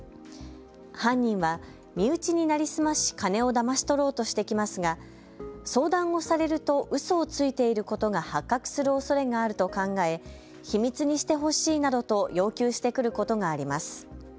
犯人は身内に成り済まし金をだまし取ろうとしてきますが相談をされるとうそをついていることが発覚するおそれがあると考え秘密にしてほしいなどと要求してくることがあります。